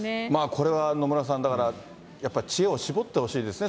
これは野村さん、だから知恵を絞ってほしいですね。